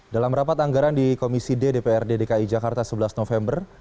dalam rapat anggaran di komisi ddpr dki jakarta sebelas november